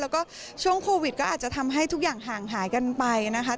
แล้วก็ช่วงโควิดก็อาจจะทำให้ทุกอย่างห่างหายกันไปนะคะ